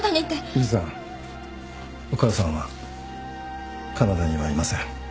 由梨さんお母さんはカナダにはいません。